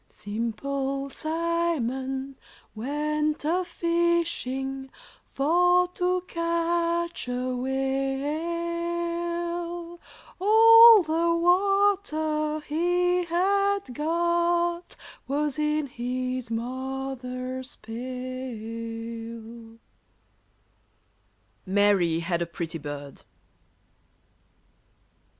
Simple Simon went a fishing For to catch a whale; All the water he had got Was in his mother's pail. [Illustration: MARY HAD A PRETTY BIRD.